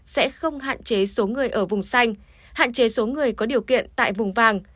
sẽ không hạn chế số người ở vùng xanh hạn chế số người có điều kiện tại vùng vàng